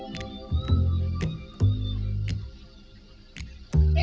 ดิโกพ่อ